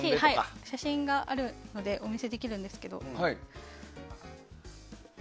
写真があるのでお見せできるんですけど。